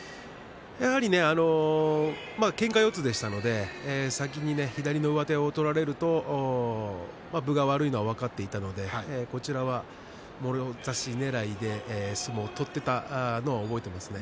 やはりねけんか四つでしたので先に左の上手を取られると分が悪いのは分かっていたのでこちらはもろ差しねらいで相撲を取っていたのを覚えていますね。